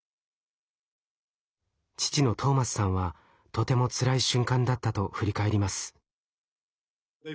父のトーマスさんはとてもつらい瞬間だったと振り返ります。